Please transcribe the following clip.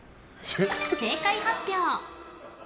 正解発表。